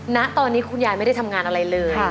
ณตอนนี้คุณยายไม่ได้ทำงานอะไรเลย